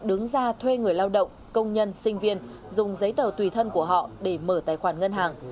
đứng ra thuê người lao động công nhân sinh viên dùng giấy tờ tùy thân của họ để mở tài khoản ngân hàng